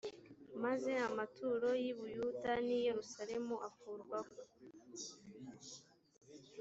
maze amaturo y i buyuda n i yerusalemu akurwaho